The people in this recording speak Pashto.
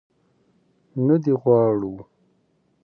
نه دې غواړو.